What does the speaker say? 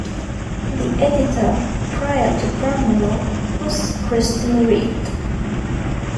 The editor prior to Bramwell was Kristan Reed.